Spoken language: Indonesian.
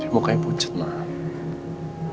muka yang pucat mama